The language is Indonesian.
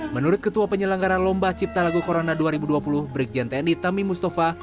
menurut ketua penyelenggara lomba cipta lagu corona dua ribu dua puluh brigjen tni tami mustafa